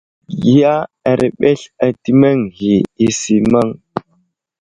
Ghay i erɓels di atimeŋ ghay i simaŋ.